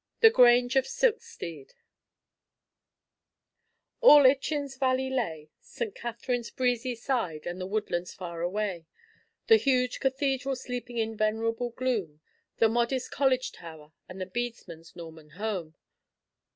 THE GRANGE OF SILKSTEDE "All Itchen's valley lay, St. Catherine's breezy side and the woodlands far away, The huge Cathedral sleeping in venerable gloom, The modest College tower, and the bedesmen's Norman home."